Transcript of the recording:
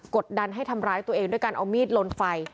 ดดันให้ทำร้ายตัวเองด้วยการเอามีดลนไฟ